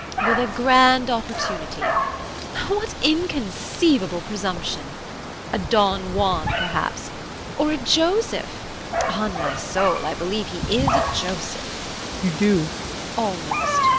With a grand opportunity what inconceivable presumption! A Don Juan perhaps! Or a Joseph! On my soul, I believe he is a Joseph! JEAN. You do? JULIE. Almost.